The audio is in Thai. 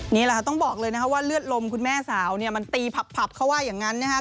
นี่แหละค่ะต้องบอกเลยนะคะว่าเลือดลมคุณแม่สาวเนี่ยมันตีผับเขาว่าอย่างนั้นนะครับ